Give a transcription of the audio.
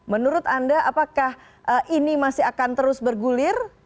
menurut anda apakah ini masih akan terus bergulir